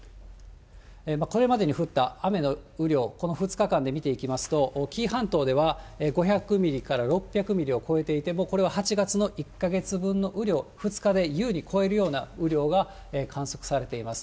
これまでに降った雨の雨量、この２日間で見ていきますと、紀伊半島では５００ミリから６００ミリを超えていて、もうこれは８月の１か月分の雨量、２日で優に超えるような雨量が観測されています。